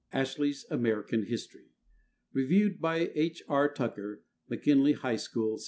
Ashley's "American History" REVIEWED BY H. R. TUCKER, McKINLEY HIGH SCHOOL, ST.